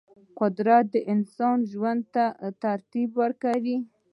قدرت د انسان ژوند ته ترتیب ورکوي.